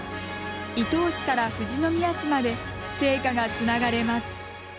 伊東市から富士宮市まで聖火がつながれます。